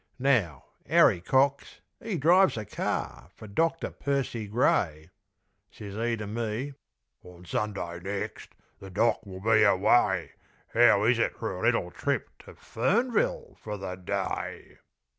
Now 'Arry Cox 'e drives a car For Doctor Percy Gray. Ses 'e to me: "On Sund'y nex' The Doc. will be away. 'Ow is it for a little trip To Fernville for the day?